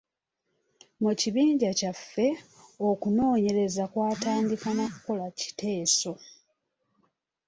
Mu kibinja kyaffe, okunoonyereza kwatandika na kukola kiteeso.